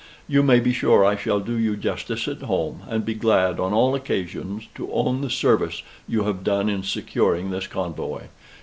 You may be sure I shall do you justice at home, and be glad on all occasions to own the service you have done in securing this convoy.